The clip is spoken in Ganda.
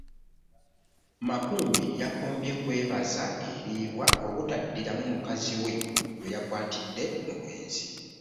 Makumbi yakombye ku ebaza eriibwa obutaddiramu mukazi we gwe yakwatidde mu bwenzi.